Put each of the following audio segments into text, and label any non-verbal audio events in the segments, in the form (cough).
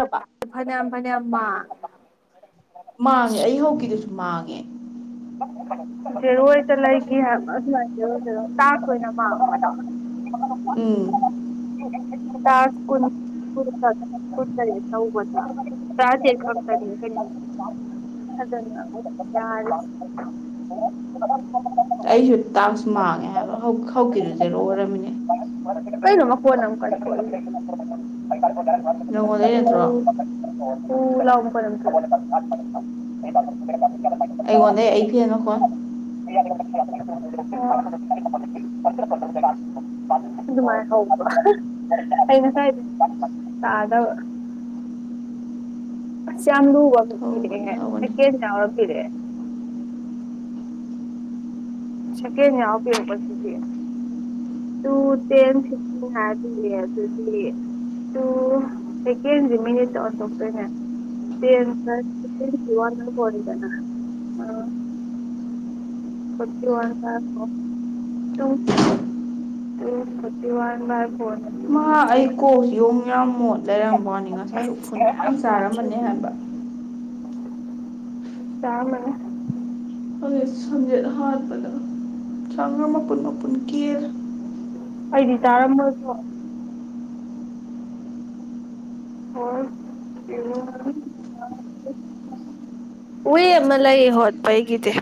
ꯔꯕ ꯐꯅꯌꯥꯝ ꯃꯅꯦ ꯑꯃ ꯃꯥꯡꯒꯦ ꯑꯩ ꯍꯧꯒꯤꯗꯨꯁꯨ ꯃꯥꯒꯦ ꯑꯣꯏꯣꯏ ꯆ ꯂꯥꯏꯒ ꯑꯊ ꯇꯥꯥꯁ ꯑꯣꯏꯣꯏꯅ ꯃꯥ (unintelligible) ꯎꯝ ꯇꯥꯁ (unintelligible) ꯑꯣ (unintelligible) ꯑꯩꯁꯨ ꯇꯥꯛꯁꯨ ꯃꯥꯡꯉꯦ ꯍꯥꯏꯕ ꯍꯧꯈꯤꯗꯨ ꯖꯦꯔꯣ ꯑꯣꯏꯔꯃꯤꯅꯦ ꯀꯩꯅꯅꯣ ꯐꯣꯜ ꯑꯃ ꯀꯜ (unintelligible) ꯅꯪꯉꯣꯟꯗꯩ ꯅꯠꯇ꯭ꯔꯣ ꯇ ꯂꯥꯎ ꯑꯩꯉꯣꯟꯗꯩ ꯑꯩ ꯐꯉꯨꯀꯣ (unintelligible) ꯇꯗꯕ ꯑꯁ ꯌꯥꯝ ꯂꯨ ꯕ (unintelligible) ꯍꯧꯕꯅꯤ ꯄꯤꯔꯛꯑꯦ ꯍꯧꯕꯅꯤ ꯍꯦꯀꯦ ꯌꯥꯎꯔꯋꯥꯄꯤꯔꯛꯑꯦ ꯁꯦꯀꯦꯟ ꯌꯥꯎ ꯄꯔꯛꯄꯁꯤꯗꯤ ꯇꯨ ꯇꯦꯟ ꯐꯤꯐꯇꯤꯟ ꯍꯥꯏꯔꯗꯨꯗꯤ ꯑꯗꯨꯗꯤ ꯇꯨ ꯁꯦꯀꯦꯟꯁꯤꯦ ꯃꯤꯅꯤꯠꯇ ꯑꯣꯟꯊꯣꯛꯇꯣꯏꯅꯦ ꯇꯦꯟ ꯄ꯭ꯂꯁ ꯐꯤꯇꯤꯟ ꯋꯥꯗꯅ ꯑ ꯐꯇꯤ ꯋꯥꯟ ꯇꯣ ꯇ two forty one by four ꯃꯍꯥꯛ ꯑꯩ ꯀꯣꯛꯁꯤ ꯌꯦꯣꯡ ꯌꯥꯝ ꯃꯣꯠ ꯂꯩꯔꯝꯕꯅꯤ ꯉꯁꯥꯏ ꯎꯐꯨꯜ ꯃꯌꯥꯝ ꯆꯥꯔꯝꯕꯅꯤ ꯍꯥꯏꯕ ꯆꯔꯃꯅꯦ ꯍꯧꯖꯤꯛ ꯁꯝꯖꯦꯠ ꯍꯥꯠꯄꯗ ꯁꯝ ꯃꯄꯨꯜ ꯃꯄꯨꯜ ꯀꯦꯂꯦ ꯑꯩꯗꯤ ꯇꯥꯔꯝꯃꯁꯨ ꯍꯣꯏ ꯋꯦ ꯑꯃ ꯂꯩ ꯍꯣꯠꯄ ꯑꯩꯒꯤꯗꯤ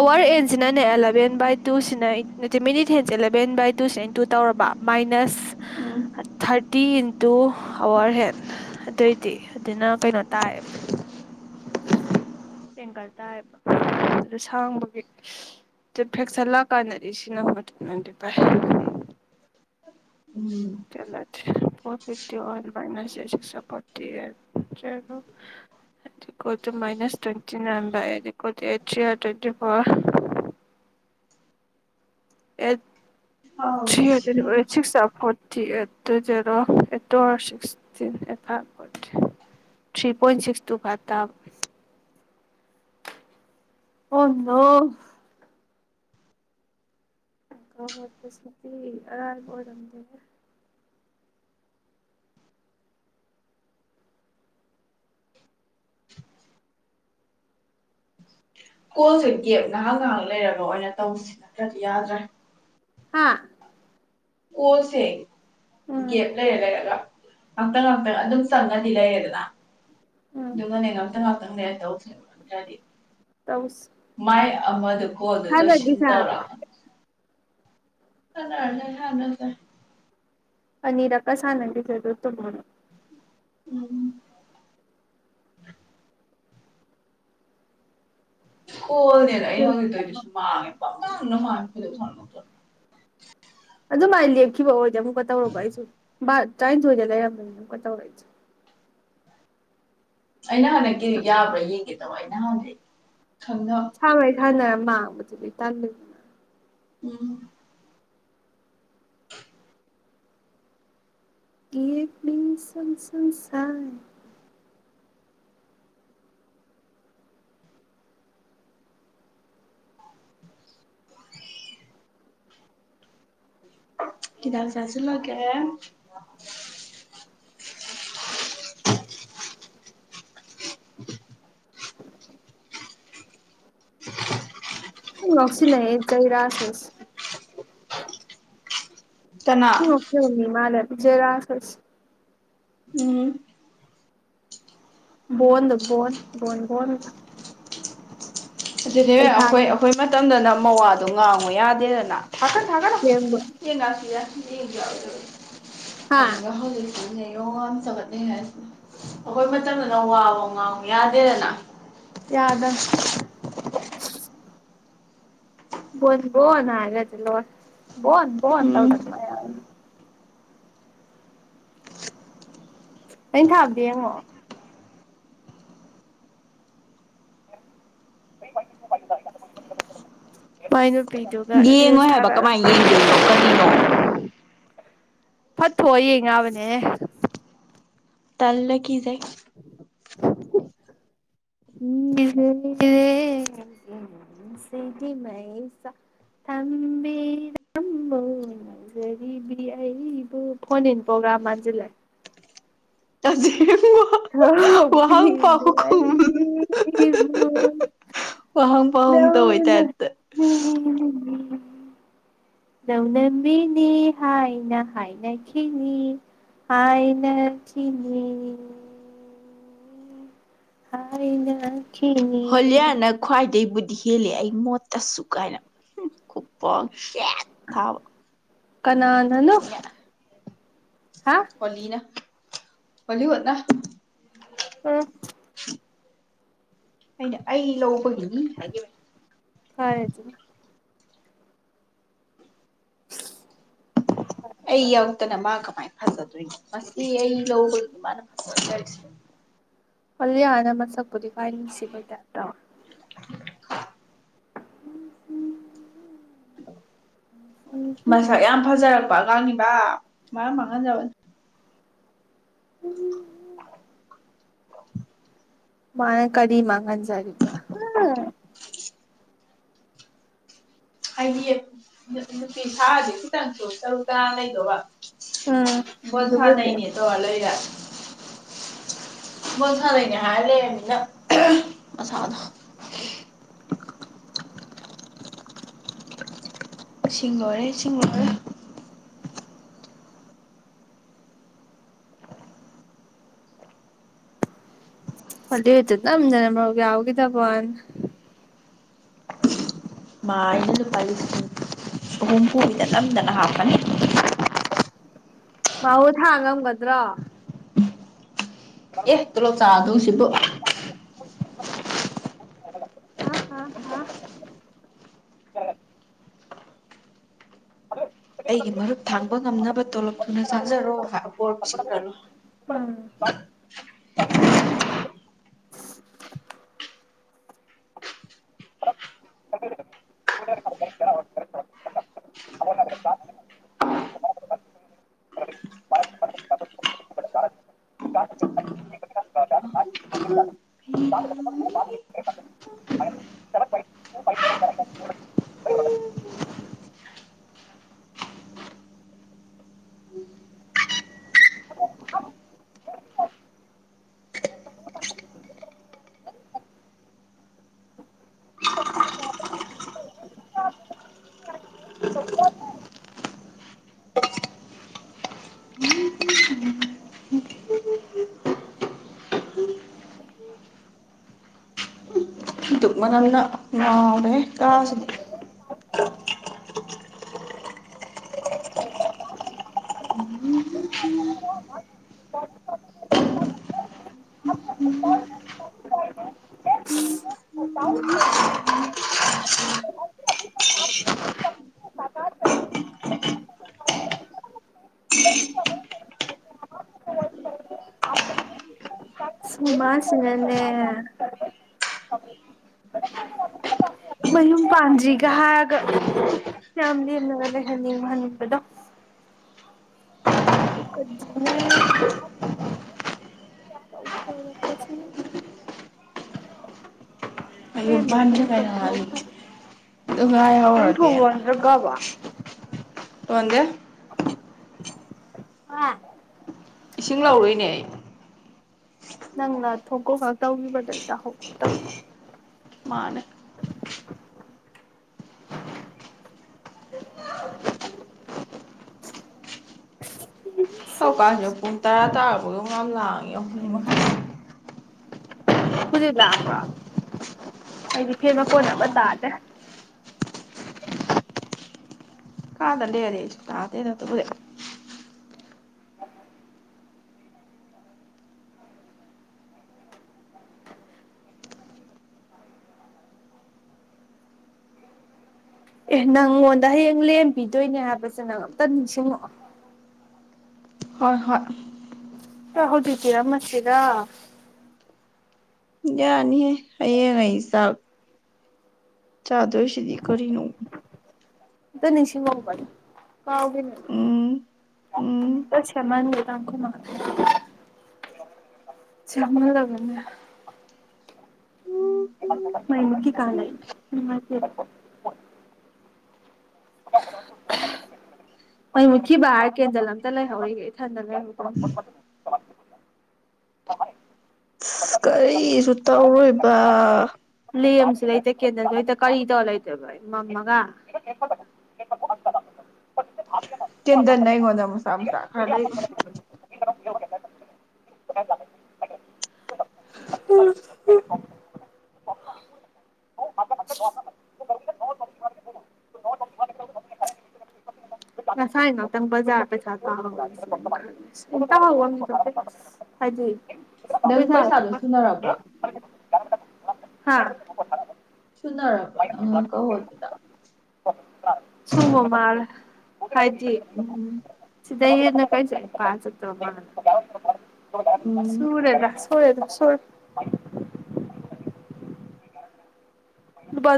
ꯑꯋꯥꯔ ꯍꯦꯟꯁꯤꯅꯅꯦ ꯑꯦꯂꯚꯦꯟ ꯕꯥꯏ ꯇꯨꯁꯤꯅ ꯅꯠꯇ ꯃꯤꯅꯤꯠ ꯍꯦꯟꯁꯦ ꯑꯦꯂꯚꯦꯟ ꯕꯥꯏ ꯇꯨꯁꯤꯅ ꯏꯟꯇꯨ ꯇꯧꯔꯕ ꯃꯥꯏꯅꯁ ꯎꯝ ꯊꯥꯔꯇꯤ ꯏꯟꯇꯨ ꯑꯋꯥꯔ ꯍꯦꯟ ꯑꯗꯨꯑꯣꯏꯗꯤ ꯑꯗꯨꯅ ꯀꯩꯅꯣ ꯇꯥꯏꯌꯦꯕ ꯇꯦꯡꯀꯜ ꯇꯥꯏꯌꯦꯕ ꯑꯗꯨ ꯁꯥꯡꯕꯒꯤ ꯐꯦꯛꯁꯟ ꯂꯥꯛꯀꯥꯟꯗꯗꯤ ꯁꯤꯅ ꯍꯅꯗꯤ ꯐꯥꯏ ꯋꯟꯋꯦꯟ ꯐ (unintelligible) ꯑꯦ ꯊ꯭ꯔꯤ ꯁꯥꯎꯅ ꯍꯟ꯭ꯔꯦꯠ ꯁꯤꯔꯦ ꯑꯣꯏ ꯁꯤꯛꯁ (unintelligible) ꯇꯤ ꯇꯨ ꯖꯦꯔꯣ ꯑꯦ ꯇꯣꯔꯣ sixteen eight five three point six two five ꯇꯥꯕ ꯍꯗꯣ (unintelligible) ꯀꯣꯜꯁꯦ ꯒꯦꯞ ꯉꯥꯏꯍꯥꯛ ꯉꯥꯏꯍꯥꯛ ꯂꯩꯔꯒ ꯑꯣꯏꯅ ꯇꯧꯕꯁꯤ ꯅꯠꯇ꯭ꯔꯗꯤ ꯌꯥꯗ꯭ꯔꯦ ꯍꯥꯥ ꯑꯣꯜꯁꯦ ꯎꯝ ꯒꯦꯞ ꯂꯩꯔ (unintelligible) ꯑꯝꯇꯪ ꯑꯝꯇꯪ ꯑꯗꯨꯛ ꯆꯝꯅꯗꯤ ꯂꯩꯔꯦꯗ ꯎꯝ ꯑꯗꯨꯒꯅꯦ (unintelligible) ꯇꯧ ꯇꯧꯁꯤ ꯃꯥꯏ ꯑꯃꯗꯨ ꯍ ꯑꯗꯨ ꯗꯣ ꯁꯤꯜ ꯁꯥꯟꯅꯒꯤꯁꯦ ꯇꯧꯔꯥ ꯍꯥꯏꯕ꯭ꯔꯣ ꯖꯔ ꯂꯩꯦ ꯍꯅꯖꯔ ꯑꯅꯤꯔ ꯀꯁ ꯑꯅꯟꯗꯤ ꯆꯗ ꯇꯣ ꯃꯅ ꯎꯝ ꯀꯣꯜꯅꯦꯗ ꯑꯩꯩꯅ ꯍꯧꯖꯤꯗ ꯑꯣꯏꯣꯏꯁꯨ ꯃꯥꯡꯉꯦ ꯄꯉꯃ ꯀꯂ ꯊꯔ ꯃꯠꯇ ꯑꯗꯨ ꯃꯥꯂꯀꯤꯣ ꯃꯛ ꯀꯇꯥꯧꯔꯨ ꯀꯥꯏꯁꯨ ꯕꯥ ꯇꯔꯥꯅꯤꯊꯣꯏꯗꯦ ꯂꯩꯔꯗꯣꯏꯅꯤꯅ ꯑꯃꯨꯛ ꯇꯧꯔꯛꯏꯁꯦ ꯑꯩꯅ ꯍꯟꯗꯛꯀꯤ ꯌꯥꯕ꯭ꯔꯥ ꯌꯦꯡꯒꯦ ꯇꯧꯕ ꯑꯩꯅ ꯍꯥꯟꯅꯛ ꯊꯥꯏ ꯊꯅ ꯃꯥꯕꯨꯖ ꯇꯂ ꯎꯝ (unintelligible) ꯀ ꯄ ꯁꯁꯁꯥꯏ ꯀꯗꯕ ꯆꯥꯏꯁꯤ ꯂꯒꯦ ꯂꯁꯤ ꯅ ꯆ ꯍ ꯔꯥꯁꯁ ꯀꯅꯥ ꯎꯝ ꯀ ꯃꯥꯂ ꯖꯦ ꯔꯥꯁꯁ ꯎꯝ ꯣ ꯣꯣꯟ ꯣꯣ ꯑꯗꯨꯗꯤ ꯑꯩꯈꯣꯏ ꯑꯩꯈꯣꯏ ꯃꯇꯝꯗꯅ ꯃꯋꯥꯗꯣ ꯉꯥꯡꯉꯨ ꯌꯥꯗꯦꯗꯅ ꯊꯀꯠ ꯊꯥꯒꯠ ꯁꯦꯝꯕ ꯌꯦ ꯉꯁꯤ ꯌꯥ ꯊ ꯍꯥ ꯑꯗ ꯋꯥ ꯍ ꯌꯣꯒꯥ ꯑꯃ ꯆ ꯑꯠꯇ ꯍꯦ ꯑꯩꯈꯣꯏ ꯃ ꯏꯝꯗꯅ ꯋꯥꯕ ꯉꯥꯎ ꯌꯥꯗꯦꯗꯅ ꯌꯥꯗ ꯕꯣ ꯅ ꯍꯥꯏꯗꯤꯜꯣ ꯣꯟ ꯣ ꯎꯝ ꯇꯧꯗ ꯃꯌꯥꯝ ꯅ ꯊꯥꯕꯗꯤ ꯌꯦꯡꯉꯣ ꯐꯅ ꯀꯩꯗꯒ ꯔꯦꯜ ꯌꯦꯡꯉꯣꯏ ꯍꯥꯏꯕ ꯊꯥꯒ ꯀꯃꯥꯏꯅ ꯌꯦꯡꯗꯣꯏꯅꯣ ꯀꯔꯤꯅꯣ ꯐꯠꯇꯣꯛꯑꯣ ꯌꯦꯡꯉꯕꯅꯦ ꯇꯥꯏ ꯂ ꯀꯖ ꯁꯤ ꯃ ꯊꯝꯕꯤꯔꯖꯔꯤꯕꯨ ꯐꯅꯟ ꯄꯣꯒ꯭ꯔꯥ ꯃꯥꯟꯖꯂ ꯆꯗ ꯍ ꯄ ꯋꯥꯍꯪ ꯄꯥꯎꯈꯨꯝ ꯇꯧꯕꯩ ꯂꯎꯅ ꯇꯥꯏꯞꯇ ꯃꯤ ꯅꯣꯡꯅ ꯃꯤꯅꯤ ꯍꯥꯏꯥꯏꯅ ꯍꯥꯏꯥꯏꯅ ꯀꯅꯤ ꯍꯥꯏꯥꯏꯅ ꯀꯅꯤ ꯍꯥ ꯏꯅ ꯍꯣꯂꯤꯌꯥꯅ ꯈ꯭ꯋꯥꯏꯗꯗꯒꯤ ꯗꯤ ꯍꯦꯜꯂꯦ ꯑꯩ ꯃꯣꯠꯇꯁꯨ ꯀꯥꯏꯅ ꯈꯨꯄ ꯊꯕ ꯀꯅꯥ ꯅꯅꯣ ꯍꯂꯤꯅ ꯍꯣꯂꯤꯕꯗ ꯎꯝ ꯑꯩꯅ ꯑꯩ ꯂꯧꯕꯒꯤ ꯎꯝ ꯍꯥꯏ ꯀꯥꯏꯔꯦꯗꯅ ꯑꯩ ꯌꯥꯧꯗꯅ ꯃꯥ ꯀꯃꯥꯏꯅ ꯐꯖꯗꯣꯏꯅꯣ ꯃꯁꯤ ꯑꯩ ꯂꯧꯧꯕꯅꯤ ꯃꯥꯅ ꯐꯖꯔꯤꯁꯦ ꯑꯂꯦ ꯅ ꯁ ꯑꯗꯨ ꯀꯥꯁꯤꯕꯗꯇꯣ ꯎ ꯎ ꯃꯁꯛ ꯌꯥꯝ ꯐꯖꯔꯛꯄ ꯑꯉꯥꯡꯁꯤꯡ ꯃꯥ ꯃꯉꯖꯕ ꯎꯝ ꯃꯥ ꯀꯔꯤ ꯃꯉ ꯖ ꯍꯥꯏꯗꯤ ꯅꯨꯄꯤ ꯁꯥꯥꯁꯦ ꯈꯤꯇꯪꯁꯨ ꯇꯔꯨ ꯇꯔꯥ ꯂꯩꯗꯧꯕ ꯎꯝ ꯕꫭꯜ ꯁꯥ ꯑꯗꯨꯕꯨꯗꯤ ꯅꯩꯅꯦ ꯇ ꯂꯩ ꯂꯩꯔ ꯃꯁꯥꯗꯅꯦ ꯍꯥꯏ ꯂꯩꯔꯅꯤꯅ ꯃꯁꯥꯗꯣ ꯏꯁꯤꯡ ꯂꯣꯏꯔꯦ ꯏꯁꯤꯡ ꯂꯈꯔꯦ ꯐꯂꯤ ꯍꯇ ꯅꯖꯅ ꯑꯃꯒꯦ ꯌꯥꯒꯤꯗ ꯐꯟ ꯃꯥ ꯑꯩꯅ ꯂꯨꯄꯥ ꯂꯤꯁꯤꯡ ꯑꯍꯨꯝꯐꯨꯗ ꯅꯝꯗꯅ ꯍꯥꯞꯄꯅꯤ ꯃꯍꯧ ꯊꯥꯡꯉꯝꯒꯗ꯭ꯔꯣ ꯑꯦꯇꯂꯣ ꯆꯥꯗ ꯁꯤꯕꯨ ꯑ ꯍ ꯍ ꯑꯩꯒꯤ ꯃꯔꯨꯞ ꯊꯥꯡꯕ ꯉꯝꯅꯕ ꯇꯣꯂꯞ ꯊꯨꯅ ꯆꯥꯖꯔꯣꯕꯣꯔ ꯄꯁꯤꯡꯂꯔꯣ (unintelligible) ꯀꯔ ꯀ ꯗꯨ ꯃꯅꯅ ꯉꯥꯎꯔꯦ ꯀꯥꯁꯤꯗꯤ (unintelligible) ꯁꯨꯃꯁꯤꯅꯅꯦꯦ ꯃꯌꯨꯝ ꯄꯥꯟꯗ꯭ꯔꯤꯒ ꯍꯥꯏꯒ ꯐꯦꯃꯤꯂꯤ ꯑꯃꯒ ꯂꯩꯍꯟꯅꯤꯡꯕ ꯍꯟꯕꯗꯣ ꯁꯤ ꯃꯌꯨꯝ ꯄꯥꯟꯗ꯭ꯔꯤ ꯀꯩꯅꯣ ꯍꯥꯏꯅꯤ ꯑꯗꯨ ꯇꯪ ꯊꯣꯡ ꯉꯥꯏꯍꯧꯔꯒꯦꯅ ꯂꯣꯟꯗ꯭ꯔꯒꯕ ꯋꯥꯗ ꯑꯥ ꯏꯁꯤꯡ ꯂꯧꯥꯎꯔꯣꯏꯅꯦ ꯑꯩ ꯅꯪꯅ ꯊꯣꯛꯀꯣ ꯈ ꯇꯧꯈꯤꯕꯗꯣꯩ ꯇꯀꯣ ꯇꯧ ꯃꯥꯅꯦ ꯍꯧꯀꯥꯟꯁꯤꯗ ꯄꯨꯡ ꯇꯔꯥ ꯇꯥꯔꯛꯄꯗ ꯌꯥꯝ ꯂꯥꯡꯉꯦ ꯑꯍ ꯃꯈꯥꯏ ꯍꯧꯖꯤꯛ ꯂꯥꯛꯕ꯭ꯔꯣ ꯑꯩꯗꯤ ꯐꯦꯟ ꯃꯀꯣꯟ ꯑꯃ ꯇꯥꯗ꯭ꯔꯦ ꯀꯥꯗ ꯂꯩꯦꯔ ꯇꯥꯗꯔ ꯇꯕꯨꯔ ꯑꯦ ꯅꯪꯉꯣꯟꯗ ꯍꯌꯦꯡ ꯂꯦꯝꯕꯤꯗꯣꯏꯅꯦ ꯍꯥꯏꯕꯁꯦ ꯅꯪ ꯑꯝꯇ ꯅꯤꯡꯁꯤꯡꯉꯛꯑꯣ ꯍꯣꯏ ꯍꯣꯏ ꯆ ꯍꯧꯖꯤꯇꯤꯔ ꯃꯁꯔ ꯌꯥꯅꯤ ꯑꯩꯌꯦꯦ ꯉꯏ ꯁꯥꯕ ꯆꯥꯗꯣꯏꯁꯤꯗꯤ ꯀꯔꯤꯅꯣ ꯗꯅꯤꯁꯤꯒꯧ ꯄ ꯄꯎꯒ ꯎꯝ ꯎꯝ ꯇ ꯁꯃꯥꯡꯒꯈ ꯃꯍ ꯆꯃꯜ ꯂꯒꯟꯅ ꯎꯝ ꯀꯥꯏꯣ ꯍꯣꯏ ꯃꯨꯀꯤ ꯕꯥꯍꯔ ꯀꯦꯟꯗꯜ ꯑꯝꯇ ꯂꯩꯍꯧꯔꯤꯒꯦ ꯏꯊꯟꯗ ꯂꯩ ꯁꯤꯁꯨ ꯇꯧꯔꯣꯏꯕ ꯑ ꯂꯦꯝꯁꯨ ꯂꯩꯇ ꯀꯦꯟꯗꯜꯁꯨ ꯂꯩꯇ ꯀꯔꯤ ꯇꯧꯔ ꯂꯩꯇꯣꯏꯕ ꯃꯝꯃꯒ ꯆꯤꯟꯗꯅ ꯀꯣꯅ ꯃꯨꯁꯥ ꯃꯨꯁꯥ ꯈꯥꯗ ꯎꯝ ꯎꯝ ꯉꯁꯥꯅ ꯇꯪ ꯖꯥ ꯄꯦ ꯆꯥ ꯏ ꯍꯥꯏꯖꯤ ꯅꯪ ꯄꯩꯁꯥꯗꯨꯣ ꯁꯨꯅꯔꯕ꯭ꯔꯥ ꯍꯥ ꯁꯨꯅꯔꯕ꯭ꯔꯣ ꯅꯪꯉꯥꯡꯀ ꯍꯣꯠꯕꯤꯗ ꯁꯨꯃ ꯃꯥꯔ ꯍꯥꯏꯖꯤ ꯎꯝ ꯁꯤꯗ ꯀꯩ ꯐꯥꯁ ꯇꯣ ꯎꯝ ꯁꯨꯔꯦꯗ ꯁꯋꯗ ꯁꯣꯏ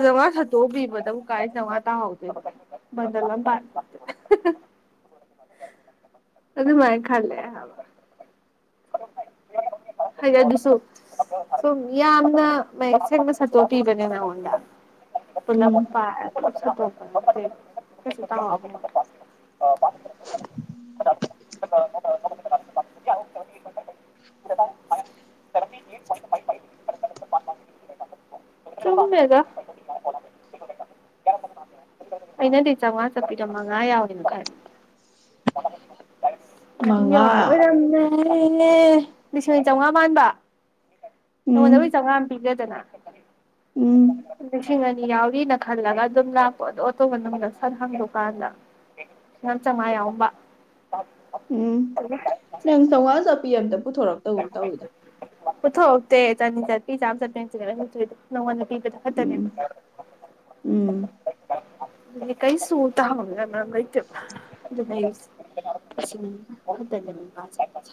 ꯖꯋꯥꯠꯇꯤ ꯃꯕꯨꯨ ꯀꯥꯏ ꯆꯉ ꯇ ꯍꯧꯗ ꯖ ꯑꯗꯨ ꯃꯥꯏ ꯈꯂꯦ ꯍꯥꯏꯗꯤ ꯑꯗꯨꯁꯨ ꯁꯨꯝ ꯌꯥꯝꯅ ꯃꯌꯦꯛ ꯁꯦꯡꯅ ꯁꯠꯇꯣꯛꯄꯤꯕꯅꯦ ꯅꯉꯣꯟꯗ ꯄꯨꯂ ꯎꯝ ꯄ (unintelligible) ꯔꯔ ꯁꯥꯏ ꯆꯥꯟ ꯁꯨꯝꯃꯃꯦꯒ ꯑꯩꯅꯗꯤ ꯆꯉ ꯆꯄꯤꯤꯔꯃ ꯉ ꯌꯥꯎꯅꯤꯅ ꯑꯔꯤ ꯃꯉꯥ ꯑꯣꯔꯟꯅ ꯑꯦ ꯂꯤꯁꯤꯡꯅꯤ ꯆꯥꯝꯃꯉꯥ ꯃ ꯍꯗꯕꯨꯣꯏ ꯎꯝ ꯆꯉ ꯄꯤꯒꯗꯅꯗꯦ ꯎꯝ ꯂꯤꯁꯤꯡ ꯑꯅꯤ ꯌꯥꯎꯔꯤꯅ ꯈꯜꯂꯒ ꯑꯗꯨꯝ ꯂꯥꯛꯄ ꯑꯗꯣ ꯑꯇꯣꯝ ꯃꯅꯨꯡꯗ ꯁꯟ ꯍꯪꯗꯀꯥꯟꯗ ꯌꯥꯝ ꯆꯥꯝꯃꯉꯥ ꯌꯥꯎꯕ ꯂꯪ ꯁ ꯑꯁ ꯄꯄꯤ ꯌꯥꯝꯗ ꯄꯨꯊꯣꯔꯛꯇꯕ ꯇꯧꯋꯤꯗ ꯄꯨꯊꯣꯛꯇꯦ ꯆꯅꯤ ꯆꯠꯄꯤ ꯆꯥꯝ ꯆꯠꯄ ꯅꯉꯣꯟ ꯄꯤꯕꯗ ꯐꯠꯇꯅꯦ ꯎꯝ ꯎꯝ ꯀꯩ ꯁꯨ ꯇ ꯍ ꯃꯩ ꯑꯗꯨ